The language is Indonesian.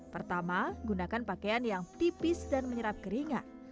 pertama gunakan pakaian yang tipis dan menyerap keringat